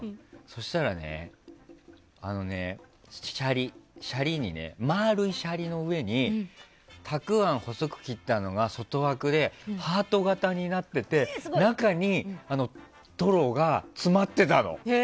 そうしたらね、シャリにね丸いシャリの上にたくあんを細く切ったのが外枠でハート形になってて中にトロが詰まってたの。